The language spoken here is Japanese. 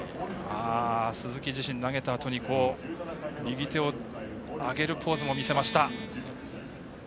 鈴木自身、投げたあとに右手を上げるポーズも見せました。